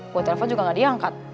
kuo telepon juga gak diangkat